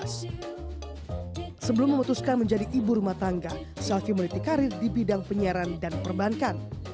sebelum memutuskan menjadi ibu rumah tangga selvi meneliti karir di bidang penyiaran dan perbankan